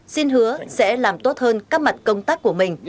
xin hứa sẽ làm tốt hơn các mặt công tác của mình